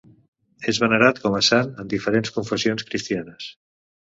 És venerat com a sant en diferents confessions cristianes.